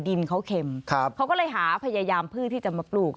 ดินเขาเข็มเขาก็เลยหาพยายามเพื่อที่จะมาปลูก